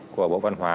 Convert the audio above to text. của bộ văn hóa